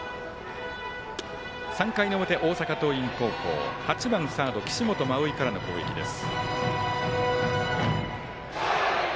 ３回の表、大阪桐蔭高校８番、サード岸本真生からの攻撃です。